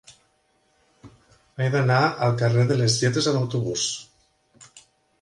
He d'anar al carrer de les Lletres amb autobús.